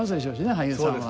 俳優さんは。